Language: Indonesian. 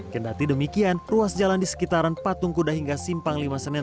kendati demikian ruas jalan di sekitaran patung kuda hingga simpang lima senen